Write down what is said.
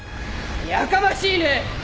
やかましいね！